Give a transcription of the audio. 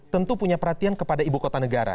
tentu punya perhatian kepada ibu kota negara